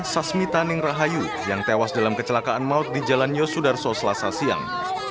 sasmi taning rahayu yang tewas dalam kecelakaan maut di jalan yosudarso selasa siang